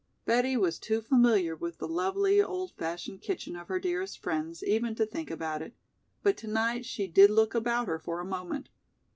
Betty was too familiar with the lovely, old fashioned kitchen of her dearest friends even to think about it, but to night she did look about her for a moment.